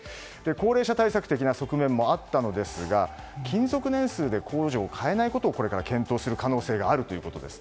高齢者対策的な側面もあったのですが勤続年数で控除を変えないことをこれから検討する可能性があるということです。